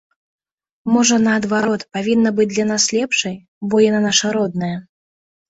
Можа, наадварот, павінна быць для нас лепшай, бо яна наша родная?